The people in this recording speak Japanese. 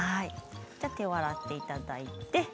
手を洗っていただいて。